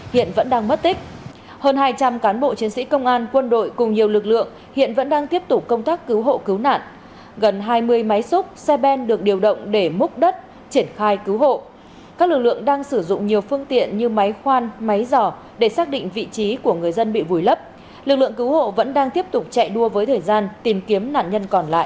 hiện vẫn đang mất tích hơn hai trăm linh cán bộ chiến sĩ công an quân đội cùng nhiều lực lượng hiện vẫn đang tiếp tục công tác cứu hộ cứu nạn gần hai mươi máy xúc xe ben được điều động để múc đất triển khai cứu hộ các lực lượng đang sử dụng nhiều phương tiện như máy khoan máy dò để xác định vị trí của người dân bị vùi lấp lực lượng cứu hộ vẫn đang tiếp tục chạy đua với thời gian tìm kiếm nạn nhân còn lại